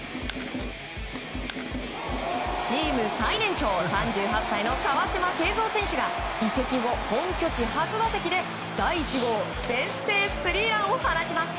チーム最年長３８歳の川島慶三選手が移籍後、本拠地初打席で第１号先制スリーランを放ちます。